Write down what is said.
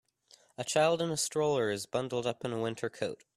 A child in a stroller is bundled up in a winter coat.